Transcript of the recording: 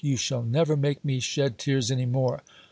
you shall never make me shed tears any more.